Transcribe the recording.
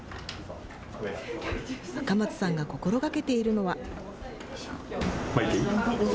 赤松さんが心がけているのは。